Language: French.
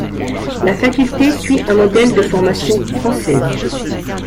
La faculté suit un modèle de formation française.